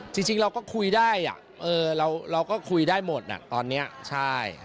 จริงเราก็คุยได้เราก็คุยได้หมดตอนนี้ใช่